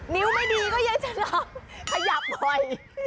นิ้วไม่ดีก็ยังจะทำขยับบ่อย